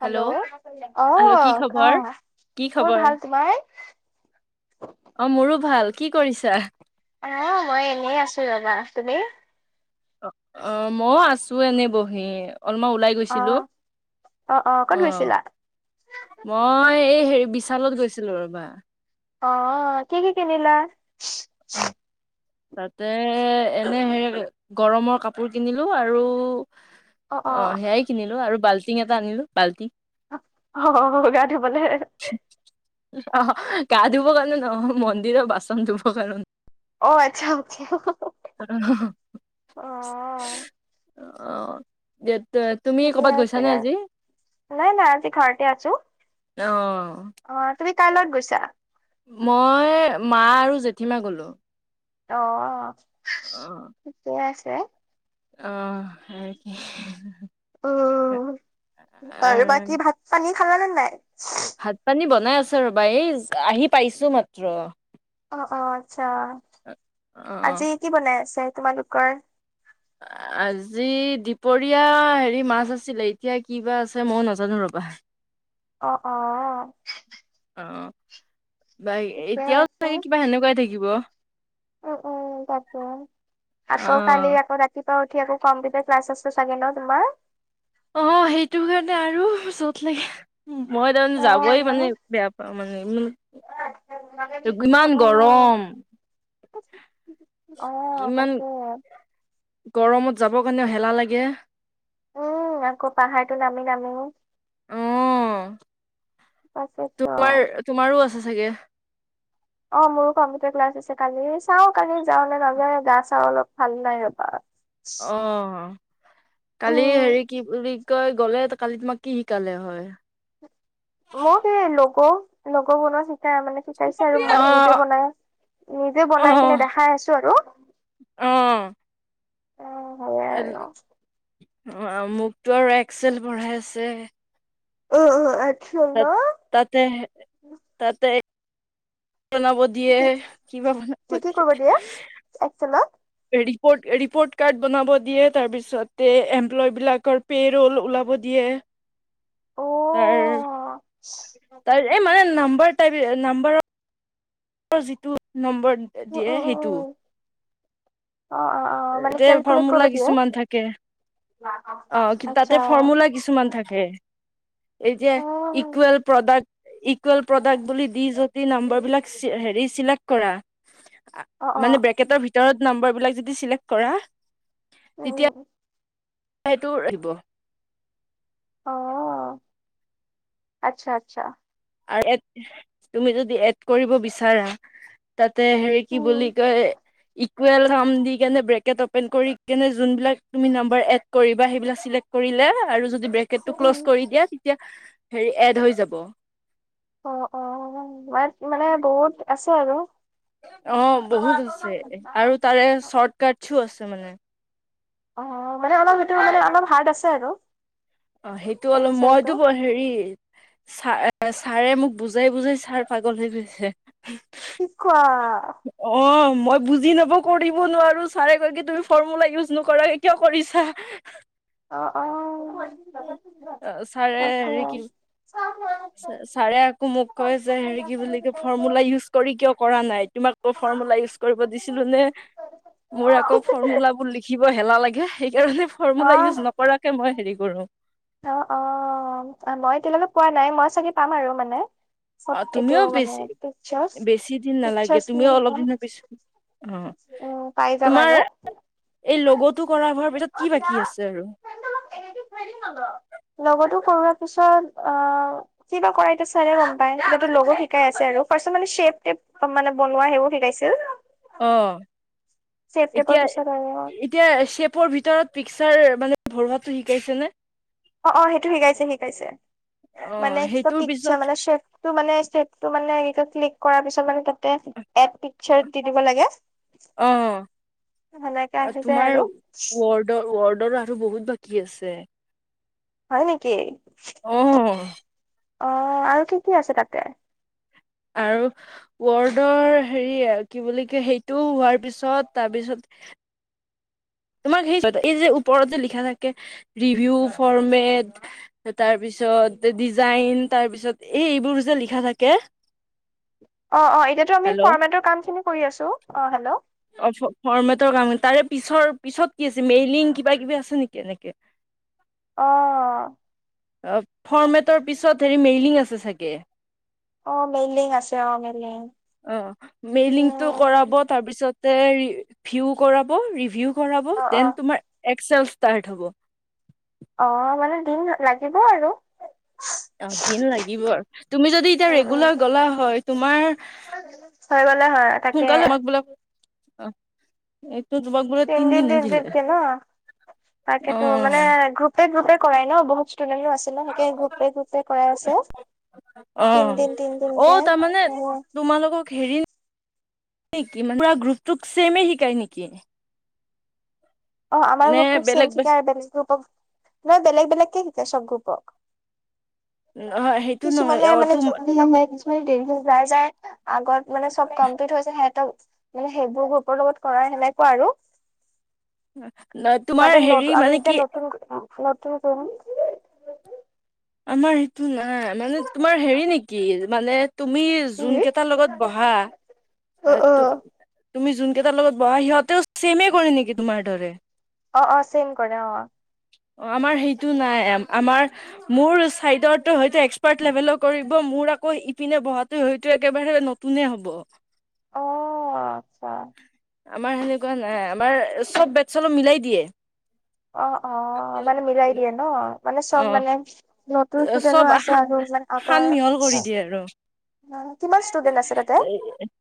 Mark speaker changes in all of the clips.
Speaker 1: Hello,
Speaker 2: hello কি
Speaker 1: অঁ
Speaker 2: খবৰ
Speaker 1: ক'?
Speaker 2: কি
Speaker 1: মোৰ
Speaker 2: খবৰ
Speaker 1: ভাল, তোমাৰ?
Speaker 2: অ মোৰো ভাল, কি কৰিছা?
Speaker 1: অ মই এনেই আছোঁ ৰ'বা, তুমি?
Speaker 2: অ, অ ময়ো আছোঁ এনেই বহি, অলমান ওলাই
Speaker 1: অ
Speaker 2: গৈছিলোঁ, অ। মই এই হেৰী বিশালত গৈছিলোঁ ৰ'বা।
Speaker 1: অঁ, কি কি কিনিলা?
Speaker 2: অহ। তাতে এনে হেৰী গৰমৰ কাপোৰ কিনিলো আৰু অ সেয়াই কিনিলো আৰু বাল্টিং এটা আনিলোঁ, বাল্টি।
Speaker 1: অ' গা ধুবলে।
Speaker 2: অহ, গা ধুব কাৰণে নহয়, মন্দিৰ বাচন ধুব কাৰণে।
Speaker 1: অ' আচ্ছা।
Speaker 2: [unintelligible]
Speaker 1: অ
Speaker 2: [unintelligible] তুমি
Speaker 1: ঠিকে
Speaker 2: কৰ'বাত গৈছা
Speaker 1: আছে
Speaker 2: নে আজি?
Speaker 1: নাই, নাই আজি ঘৰতে আছোঁ,
Speaker 2: অ
Speaker 1: অ' তুমি কাৰ লগত গৈছা?
Speaker 2: মই, মা আৰু জেঠী মা গ'লো।
Speaker 1: অ'
Speaker 2: অ
Speaker 1: ঠিকে আছে।
Speaker 2: অ' [unintelligible]
Speaker 1: অ' বাৰু
Speaker 2: আ-
Speaker 1: বাকী ভাত-পানী খাল নে নাই?
Speaker 2: ভাত-পানী বনাই আছে ৰ'বা, এই জ আহি পাইছো মাত্ৰ।
Speaker 1: অ', অ' আচ্ছা, আজি
Speaker 2: অ',
Speaker 1: কি বনাই আছে তোমালোকৰ?
Speaker 2: আজি দিপৰীয়া হেৰি মাছ আছিলে, এতিয়া কি বা আছে, ময়ো নাজানো ৰ'বা।
Speaker 1: অ' অ' অ'
Speaker 2: অ', বা
Speaker 1: ঠিকে
Speaker 2: এতিয়াও চাগে কিবা সেনেকুৱাই থাকিব।
Speaker 1: উ, উ তাকে আকৌ কালি
Speaker 2: অ',
Speaker 1: আকৌ ৰাতি ৰাতিপুৱা উঠি আকৌ কম্পিউটাৰ ক্লাছ আছে চাগে ন তোমাৰ?
Speaker 2: অ'সেইটো কাৰণে আৰু জত লাগে। মই তাৰমানে
Speaker 1: অ
Speaker 2: যাবই মানে বেয়া পাওঁ, মানে [unintelligible]
Speaker 1: [unintelligible]
Speaker 2: ইমান গৰম
Speaker 1: অ'
Speaker 2: ইমান
Speaker 1: তাকে
Speaker 2: গৰমত যাবৰ কাৰণেও হেলা লাগে।
Speaker 1: উম, আকৌ পাহাৰটো নামি নামি।
Speaker 2: অ'।
Speaker 1: তাকেতো
Speaker 2: তোমাৰ তোমাৰো আছে চাগে?
Speaker 1: অ, মোৰো কম্পিউটাৰ ক্লাছ আছে কালি, চাওঁ কালি যাওঁ নে নাযাওঁ, এ গা-চাও অলপ ভাল নাই ৰ'বা।
Speaker 2: অ'। কালি
Speaker 1: উম
Speaker 2: হেৰি কি বুলি কয় গ'লে, তে কালি তোমাক কি শিকালে হয়?
Speaker 1: মোক সেই, ল'গ' ল'গ' বনোৱা শিকাই আ মানে শিকাইছে আৰু মানে, নিজে
Speaker 2: অ',
Speaker 1: বনাই, নিজে বনাই
Speaker 2: অ',
Speaker 1: কিনে দেখাই আছোঁ আৰু
Speaker 2: অ'।
Speaker 1: অ সেয়াই আৰু
Speaker 2: [unintelligible] মোক টো আৰু এক্সেল পঢ়াই আছে।
Speaker 1: উ উ
Speaker 2: তাত
Speaker 1: আছোৱা [unintelligible]
Speaker 2: তাতে তাতে বনাব দিয়ে
Speaker 1: কি
Speaker 2: কিবা বনাব
Speaker 1: কি কি
Speaker 2: দিয়ে
Speaker 1: কৰিব [unintelligible]
Speaker 2: ৰিপৰ্ট ৰিপৰ্ট কাৰ্ড বনাব দিয়ে তাৰপিছতে এমপ্লয় বিলাকৰ পে' ৰোল ওলাব দিয়ে
Speaker 1: অ
Speaker 2: তাৰ তাৰ এই মানে নাম্বাৰ টাইপ নাম্বাৰৰ যিটো নম্বৰ
Speaker 1: উম
Speaker 2: দিয়ে
Speaker 1: উম উম
Speaker 2: সেইটো
Speaker 1: উম অ' অ' অ মানে
Speaker 2: এ
Speaker 1: কেলকুলেট কৰিব
Speaker 2: ফৰ্মুলা
Speaker 1: দিয়ে।
Speaker 2: কিছুমান থাকে অ' কিন্তু
Speaker 1: আচ্ছা
Speaker 2: তাতে ফৰ্মুলা কিছুমান থাকে এতিয়া
Speaker 1: অ
Speaker 2: ইকুৱেল প্ৰডাক্ট ইকুৱেল প্ৰডাক্ট বুলি দি যদি নাম্বৰ বিলাক হেৰি চিলেক্ট কৰা
Speaker 1: অ
Speaker 2: মানে ব্ৰেকেদৰ ভিতৰত যদি নাম্বাৰ বিলাক যদি চিলেক্ট কৰা তেতিয়া
Speaker 1: [unintelligible]
Speaker 2: সেইটো আহিব
Speaker 1: অ' আচ্ছা আচ্ছা
Speaker 2: আৰু এড তুমি যদি এড কৰিব বিচাৰা তাতে হেৰি কি
Speaker 1: উম
Speaker 2: বুলি কয় ইকুৱেল দি কেনে ব্ৰেকেট অপেন কৰি কেনে যোনবিলাক তুমি নাম্বাৰ এড কৰিবা সেইবিলাক চেক্ট কৰিলে আৰু যদি ব্ৰেকেডটো
Speaker 1: উম উম
Speaker 2: ক্লৌচ কৰি দিয় তেতিয়া হেৰী এড হৈ যাব
Speaker 1: অ' অ' মাৰ মানে বহুত আছে আৰু
Speaker 2: অ' বহুত আছে আৰু তাৰে চৰ্টকাটছো আছে মানে
Speaker 1: অ' মানে অলপ সেইটো মানে অলপ হাৰ্ড আছে আৰু
Speaker 2: অ' সেইটো অলপ
Speaker 1: এক্সেলটো।
Speaker 2: মইতো ব হেৰি ছা- ছাৰে মোক বুজাই বুজাই ছাৰ পাগল হৈ গৈছে
Speaker 1: কি কোৱা
Speaker 2: অ' মই বুজি নাপাও কৰিব নোৱাৰো ছাৰে কৈ কি তুমি ফৰ্মুলা ইউজ নকৰাকে কিয় কৰিছা [unintelligible]
Speaker 1: অ' অ'
Speaker 2: উ ছাৰে
Speaker 1: তাকে।
Speaker 2: হেৰি কিম ছাৰে আকৌ মোক কয় যে হেৰি কি বুলি কি ফৰ্মুলা ইউজ কৰি কিয় কৰা নাই তোমাকৌ ফৰ্মুলা ইউজ কৰিব দিছিলো নে মোৰ আকৌ ফৰ্মুলাবোৰ লিখিব এলাহ লাগে সেই কাৰণে ফৰ্মুলা ইউজ
Speaker 1: অ',
Speaker 2: নকৰাকে মই হেৰি কৰো
Speaker 1: অ' অ' মই এতিয়ালৈকে পোৱা নাই মই চাগে পাম আৰু
Speaker 2: অ
Speaker 1: চব এইটো
Speaker 2: তুমিও
Speaker 1: মানে
Speaker 2: বেছি
Speaker 1: পিকাৰ্চ
Speaker 2: বেছি দিন নালাগে
Speaker 1: পিকাৰ্চ
Speaker 2: তুমিও
Speaker 1: ম উ
Speaker 2: অলপ দিনৰ পিছত অ
Speaker 1: পাই যাম
Speaker 2: তোমাৰ
Speaker 1: আৰু
Speaker 2: এই লগটো কৰা হোৱাৰ পিছত কি বাকী আছে আৰু
Speaker 1: লগতো কৰা পিছত অ' কিবা কৰাইতো চাৰে গম পাই যিটো লগো শিকাই আছে আৰু ফাৰ্ষ্টত চেপ টেপ অ মানে বনোৱা সেইবোৰ শিকাইছিল শ্বেপ
Speaker 2: অ'
Speaker 1: টেপৰ
Speaker 2: এতিয়া
Speaker 1: পিছত আৰু
Speaker 2: এতিয়া চেপৰ ভিতৰত পিকচাৰ মানে ভৰোৱাটো শিকাইছে নে
Speaker 1: অ' অ' সেইটো শিকাইছে শিকাইছে মানে
Speaker 2: অ',
Speaker 1: চব
Speaker 2: সেইটোৰ
Speaker 1: পিকচাৰ
Speaker 2: পিছত
Speaker 1: মানেফ মানেটো মানে চেপটো ক্লিক কৰাৰ পিছত মানে তাতে এড পিকচাৰ দি দিব লাগে
Speaker 2: অ
Speaker 1: সেনেকে আহি যায়
Speaker 2: তোমাৰ
Speaker 1: আৰু
Speaker 2: ৱৰ্ড ৱৰ্ডৰ আৰু বহুত বাকী আছে
Speaker 1: হয় নেকি
Speaker 2: অ'
Speaker 1: অ' আৰু কি কি আছে তাতে
Speaker 2: আৰু ৱৰ্ডৰ হেৰি কি বুলি কয়? সেইটো হোৱাৰ পিছত তাৰপিছত সেই যে, এই যে ওপৰতে লিখা থাকে ৰিভিউ, ফৰ্মেট। তাৰ পিছত ডিজাইন, তাৰ পিছত এই এইবোৰ যে লিখা থাকে।
Speaker 1: অ' অ' এতিয়াতো আমি
Speaker 2: হেল্ল'
Speaker 1: ফৰ্মেটৰ কাম খিনি কৰি আছোঁ। অ' হেল্ল'
Speaker 2: ফৰ্মেট ফৰ্মেটৰ কাম। তাৰে পিছৰ পিছত কি আছে? মেইলিং কিবাকিবি আছে নেকি এনেকে? [inaudible]
Speaker 1: অ'
Speaker 2: অ' ফৰৰ্মেটৰ পিছত হেৰি মেইলিং আছে চাগে।
Speaker 1: অ' মেললিং আছে অ' মেলিং।
Speaker 2: অ' মেইলিংটো কৰাব তাৰপিছতে ৰিভিউ কৰাব ৰিভিউ কৰাবো
Speaker 1: অ', অ',
Speaker 2: দেন তোমাৰ এক্সেল ষ্টাৰ্ট হ'ব।
Speaker 1: অ' মানে দিন লাগিব আৰু।
Speaker 2: অ' দিন লাগিব আৰু তুমি যদি এতিয়া
Speaker 1: উম, উম,
Speaker 2: ৰেগুলাৰ গলা হয়। তোমাৰ
Speaker 1: হৈ গ'লে হয় আ তাকে।
Speaker 2: সোনকালে আমাক [inaudible] এইটো তোমাক বা
Speaker 1: তিনদিন, তিনদিনকে ন
Speaker 2: অ
Speaker 1: তাকেতো মানে গ্ৰুপ এক গ্ৰুপে কৰাই ন বহু ষ্টুডেণ্ট টো আছে। লাহেকে গ্ৰুপে, গ্ৰুপে কৰাই আছে।
Speaker 2: অ
Speaker 1: তিনদিন
Speaker 2: অ
Speaker 1: তিনদিনকে
Speaker 2: তাৰমানে তোমালোকক? [unintelligible] পুৰা গ্ৰুপটোক চেমে শিকায় নেকি?
Speaker 1: অ' আমাৰ
Speaker 2: নে
Speaker 1: গ্ৰুপটো
Speaker 2: বেলেগ
Speaker 1: ছেম শিকাই আৰু বেলেগ গ্ৰুপক নহয় বেলেগ, বেলেগকে শিকাই চ'ব গ্ৰুপক।
Speaker 2: উম।
Speaker 1: কিছুমানে মানে জল্দি নহয় কিছুমানে দেৰি হৈ যায়, যায়। আগত মানে চ'ব কমপ্লিট হৈ হৈছে, সিহঁতক মানে সেইবোৰ গ্ৰুপৰ লগত কৰাই সেনেকুৱা আৰু
Speaker 2: ন [unintelligible]
Speaker 1: মানে নত আমি এতিয়া নতুন নতুন গ্ৰুপ।
Speaker 2: আমাৰ সেইটো নাই মানে তোমাৰ হেৰি নেকি? মানে তুমি
Speaker 1: উম
Speaker 2: যোন কেইটাৰ লগত বহা
Speaker 1: অ
Speaker 2: এ
Speaker 1: অ
Speaker 2: তুমি যোনকেইটাৰ লগত বহা, সিহঁতেও চেমে কৰি নেকি তোমাৰ দৰে?
Speaker 1: অ' অ' চেম কৰে অ'।
Speaker 2: অ' আমাৰ হেইটো নাই। আমাৰ মোৰ চাইডৰটো হয়তো এক্সপাৰ্ট লেভেলৰ কৰিব, মোৰ আকৌ ইপিনে বহাটো হয়তো একেবাৰে নতুন কোনে হ'ব?
Speaker 1: অ আচ্ছা
Speaker 2: আমাৰ সেনেকুৱা নাই আমাৰ চব বেটচৰ লগত মিলাই দিয়ে।
Speaker 1: অ' অ' মানে মিলাই দিয়ে ন মানে
Speaker 2: অ
Speaker 1: চ'ব মানে নতুন ষ্টুডেন্টো
Speaker 2: চব
Speaker 1: আছে
Speaker 2: সা
Speaker 1: আৰু
Speaker 2: সান
Speaker 1: আগৰ।
Speaker 2: মিহল কৰি দিয়ে আৰু
Speaker 1: কিমান ষ্টুডেন্ট আছে তাতে?
Speaker 2: [unintelligible]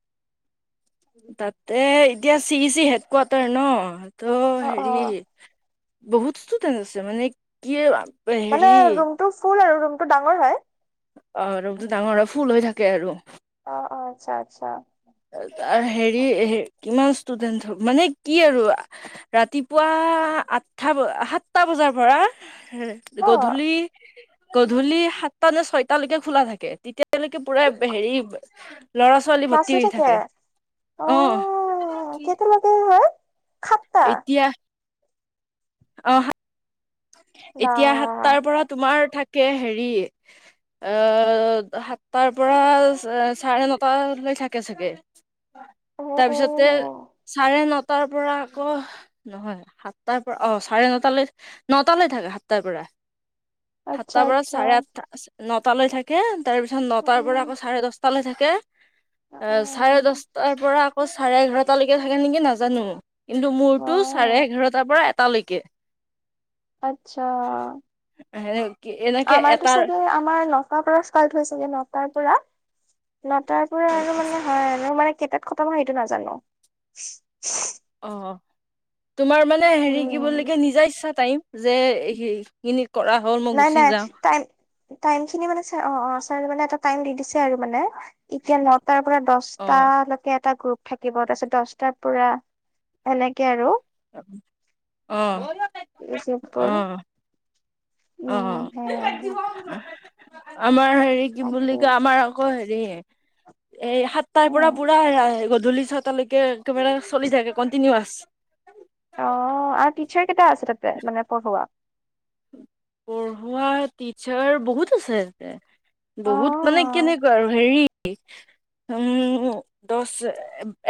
Speaker 2: তাতে এতিয়া চি চি হেড কোৱাৰ্টাৰ ন'
Speaker 1: অ',
Speaker 2: ত'হেৰি
Speaker 1: অ',
Speaker 2: বহুত ষ্টুডেন্ট আছে। মানে কি আহ
Speaker 1: মানে ৰুমটো ফুল আৰু ৰুমতটো ডাঙৰ হয়।
Speaker 2: অ' ৰুমটো ডাঙৰ হয় ফুল হৈ থাকে আৰু।
Speaker 1: অ' অ' আচ্ছা, আচ্ছা।
Speaker 2: তাৰ হেৰি কিমান ষ্টুডেন্ট মানে কি আৰু ৰাতিপুৱা আঠথা, সাতটা বজাৰ পৰা
Speaker 1: অ',
Speaker 2: গধূলি, গধূলি সাতটা নে ছয়টালৈকে খোলা থাকে। তেতিয়া এতিয়ালৈকে পুৰা হেৰি ল'ৰা-ছোৱালী
Speaker 1: ক্লাছ হৈ থাকে, অ' কেইটা লৈকে।
Speaker 2: এতিয়া। অহ,
Speaker 1: বা
Speaker 2: এতিয়া সাতটাৰ পৰা তোমাৰ থাকে হেৰি। অ সাতটাৰ পৰা চাৰে নটা লৈ থাকে চাগে।
Speaker 1: অ',
Speaker 2: তাৰপিছতে
Speaker 1: অ',
Speaker 2: চাৰে নটাৰ পৰা আকৌ। নহয় সাতটাৰ পৰা অ চাৰে নটালৈ নটালৈ থাকে সাতটাৰ পৰা।
Speaker 1: আচ্ছা
Speaker 2: সাতটাৰ পৰা
Speaker 1: আচ্ছা
Speaker 2: চাৰে আঠটা নটালৈ থাকে। থাকে তাৰপিছত নটাৰ পৰা
Speaker 1: উম,
Speaker 2: আকৌ চাৰে দহটা লৈ থাকে। অ চাৰে দছটাৰ পৰা আকৌ চাৰে এঘাৰটালৈকে থাকে নেকি নাজানো। কিন্তু মোৰতটো চাৰে
Speaker 1: অ',
Speaker 2: এঘাৰটাৰ পৰা এটালৈকে।
Speaker 1: আচ্ছা।
Speaker 2: [unintelligible]
Speaker 1: আমাৰতো চাগে আমাৰ ন। নটাৰ পৰা ষ্টাৰ্ত হৈ চাগে নটাৰ পৰা। নটাৰ পৰা আৰু মানে। হয় মোৰ মানে কেইটাত খতম হয় সেইটো নাজানো।
Speaker 2: অ তোমাৰ মানে হেৰি কি
Speaker 1: উম
Speaker 2: বুলিকে নিজা ইচ্ছা টাইম যে। খিনি কৰা হল। মই
Speaker 1: নাই
Speaker 2: গুচি
Speaker 1: নাই
Speaker 2: যাম
Speaker 1: টাইম টাইম খিনি মানে ছাৰ অ' অ' ছাৰে মানে এটা টাইম দি দিছে আৰু মানে এতিয়া নটাৰ পৰা দশ
Speaker 2: অ
Speaker 1: দশটা লৈকে এটা গ্ৰুপ থাকিব তাৰিছত দশটাৰ পৰা এনেকে আৰু।
Speaker 2: অহ,
Speaker 1: গ্ৰুপবোৰ
Speaker 2: অহ। অহ,
Speaker 1: উম হে
Speaker 2: আমাৰ হেৰি কি বুলি
Speaker 1: তাকে
Speaker 2: কয় আমাৰ। কৰ হেৰি। এই সাতটাৰ
Speaker 1: অ
Speaker 2: পৰা পুৰা গধূলি ছটালৈকে কেমেৰা চলি থাকে কণ্টিনিৱাছ।
Speaker 1: অ' আৰু টিচাৰ কেইটা আছে তাতে মানে পঢ়োৱা।
Speaker 2: পঢ়োৱা টিচাৰ বহুত আছে তাতে
Speaker 1: অ
Speaker 2: বহুত মানে কেনেকুৱা আৰু হেৰি। [unintelligible] উম, দশ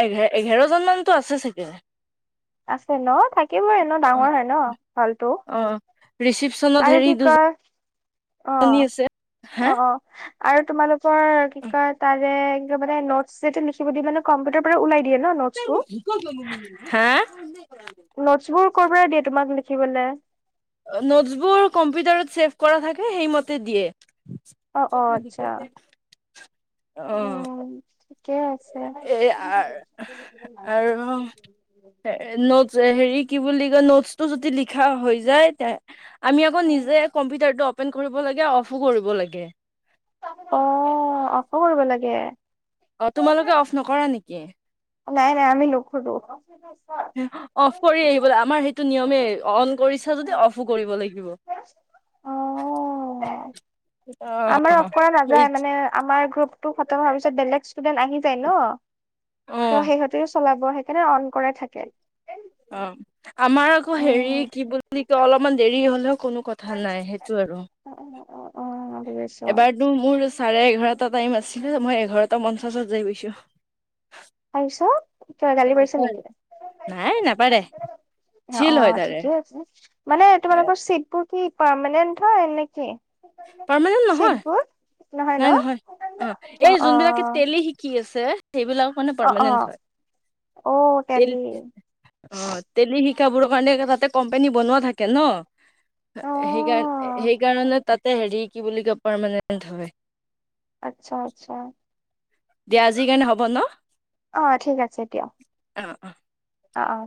Speaker 2: এ- এঘাৰজন মানতো আছে চাগে।
Speaker 1: আছে ন থাকিবই ন
Speaker 2: অ
Speaker 1: ডাঙৰ হয় ন হলটো।
Speaker 2: ৰিচিপ।
Speaker 1: আৰু কি কয়
Speaker 2: দুজনী
Speaker 1: অ',
Speaker 2: আছে হা
Speaker 1: অ' অ' আৰু তোমালোক কৰ কি কয় তাৰে মানে নোটছ যেতিয়া লিখিব দি মানে কম্পিউটাৰ পৰা ওলাই দিয়ে ন নোটছ বোৰ।
Speaker 2: হা।
Speaker 1: নোটছ বোৰ ক'ৰ পৰা দিয়ে তোমাক লিখিবলে।
Speaker 2: নোটছবোৰ কম্পিউটাৰত ছেভ কৰা থাকে সেইমতে
Speaker 1: অ অ আচ্ছা
Speaker 2: দিয়ে। অহ।
Speaker 1: উম ঠিকে আছে।
Speaker 2: আৰু নোটছ, হেৰি কি বুলি কয় নোটছ টো যদি লিখা হৈ যায় তে আমি আকৌ নিজে কম্পিউটাৰটো অপেন কৰিব লাগে অফো কৰিব লাগে।
Speaker 1: অঅ অফো কৰিব লাগে।
Speaker 2: অ তোমালোকে অফ নকৰা নেকি।
Speaker 1: নাই নাই আমি নকৰোঁ।
Speaker 2: অফ কৰি আহিব লাগে। আমাৰ সেইটো নিয়মে অন কৰিছা যদি অফো কৰিব লাগিব।
Speaker 1: অহ
Speaker 2: অ'
Speaker 1: আমাৰ অফ কৰা
Speaker 2: সেই
Speaker 1: নাযায় মানে আমাৰ গ্ৰুপ টো খতম হোৱাৰ পিছত বেলেগ ষ্টুডেন্ট আহি যায় ন। ত'
Speaker 2: অ'
Speaker 1: সিহতেও চলাব সেইকাৰণে অন কৰাই থাকে।
Speaker 2: অ আমাৰ আকৌ হেৰি
Speaker 1: অ',
Speaker 2: কি বুলি কয় অলপমান দেৰি হলেও। কোনো কথা নাই সেইটো আৰু।
Speaker 1: অ অ অ।
Speaker 2: এবাৰতো মোৰ চাৰে এঘাৰটা টাইম আছিলে মই এঘাৰটা পঞ্চাছত যাই গৈছো।
Speaker 1: তাৰপিছত কিবা গালি পৰিছে
Speaker 2: নাই নাপাৰে
Speaker 1: নেকি? অ'
Speaker 2: চিল হয়
Speaker 1: অ'
Speaker 2: তাৰে
Speaker 1: ঠিকে আছে মানে তোমালোকৰ চিট বোৰ কি পাৰমানেন্ট হয় নে কি
Speaker 2: পাৰমানেন্ট নহয়
Speaker 1: চিটবোৰ
Speaker 2: নাই নহয় এই
Speaker 1: অ',
Speaker 2: যোনবিলাকে
Speaker 1: অ',
Speaker 2: তেলি শিকি আছে সেইবিলাক
Speaker 1: অ',
Speaker 2: পাৰমানেণ্ট
Speaker 1: অ',
Speaker 2: হয়
Speaker 1: অ',
Speaker 2: তে
Speaker 1: টেলি
Speaker 2: অ তেলি শিকাবোৰৰ কাৰণে তাতে কোম্পানী বনোৱা থাকে ন। সেইকাৰ
Speaker 1: অ',
Speaker 2: সেইকাৰণে তাতে হেৰি কি বুলি কয় পাৰমানেন্ট হয়।
Speaker 1: আচ্ছা আচ্ছা।
Speaker 2: দিয়া আজিৰ কাৰণে হ'ব ন।
Speaker 1: অ' ঠিক আছে দিয়া
Speaker 2: অ অ।
Speaker 1: অ অ।